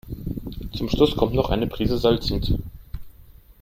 Zum Schluss kommt noch eine Priese Salz hinzu.